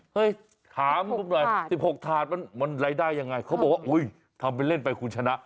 เฮ้ยถามปุ๊บหน่อยสิบหกถาดมันไร้ได้ยังไงเขาบอกว่าอุ๊ยทำเป็นเล่นไปคุณชนะ